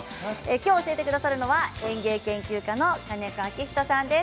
きょう教えてくださるのは園芸研究家の金子明人さんです。